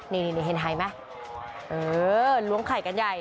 นี่เห็นหายไหมเออล้วงไข่กันใหญ่